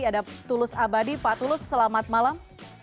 ada tulus abadi pak tulus selamat malam